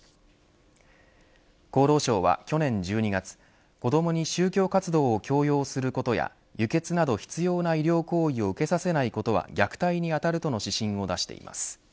厚労省は去年１２月子どもに宗教活動を強要することや輸血など必要な医療行為を受けさせないことは虐待に当たるとの指針を出しています。